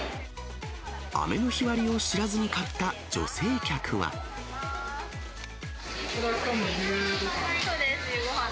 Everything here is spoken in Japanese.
雨の日割りを知らずに買ったこれはきょうの夕ごはん？